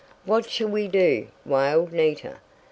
"What shall we do?" wailed Nita.